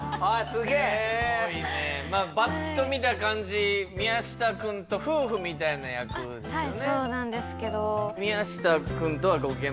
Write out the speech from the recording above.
すげえすごいねパッと見た感じ宮下君と夫婦みたいな役ですよね